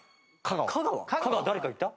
香川誰か言った？